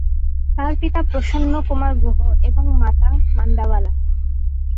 তার পিতা প্রসন্নকুমার গুহ এবং মাতা মানদাবালা।